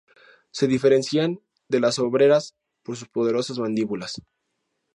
Se diferencian de las obreras por sus poderosas mandíbulas.